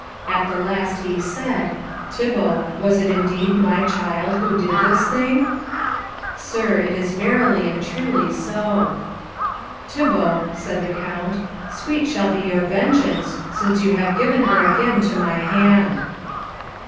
At the last he said, "Thibault, was it indeed my child who did this thing?" "Sir, it is verily and truly so." "Thibault," said the Count, "sweet shall be your vengeance, since you have given her again to my hand."